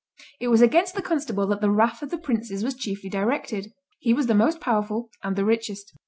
It was against the constable that the wrath of the princes was chiefly directed. He was the most powerful and the richest.